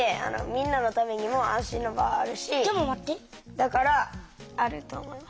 だからあると思います。